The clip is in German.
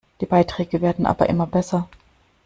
Die Beiträge werden aber immer besser.